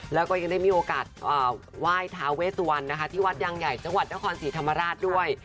แล้วก็ยังได้มีโอกาสไหว้ทาเวสวันนะคะที่วัดยางใหญ่จังหวัดนครศรีธรรมราชด้วย